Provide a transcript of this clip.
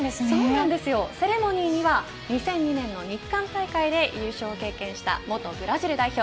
セレモニーには２００２年の日韓大会で優勝を経験した元ブラジル代表